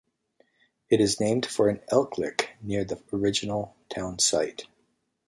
It is named for an elk lick near the original town site.